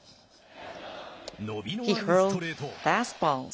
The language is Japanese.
伸びのあるストレート。